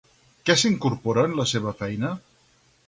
Què s'incorpora en la seva feina?